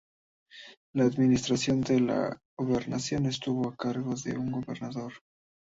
La administración de la gobernación estuvo a cargo de un gobernador.